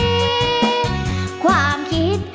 เพลงเก่งของคุณครับ